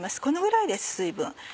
このぐらいです水分。